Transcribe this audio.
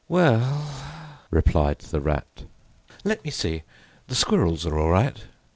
"W e ll," replied the Rat, "let me see. The squirrels are all right.